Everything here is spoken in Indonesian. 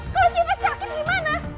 kalau syifa sakit gimana